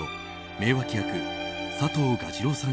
名脇役佐藤蛾次郎さん